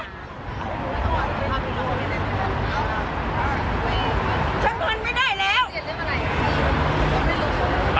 ดูก่อนเหรอฉันทนไม่ได้แล้ว